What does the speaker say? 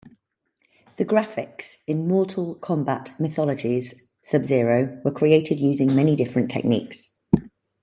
The graphics in "Mortal Kombat Mythologies: Sub-Zero" were created using many different techniques.